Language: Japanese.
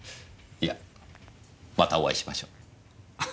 いやまたお会いしましょう。